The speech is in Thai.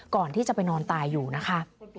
ก่อนที่จะไปนอนตายอยู่นะคะ